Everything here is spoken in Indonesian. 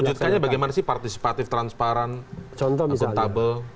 melanjutkannya bagaimana sih partisipatif transparan akuntabel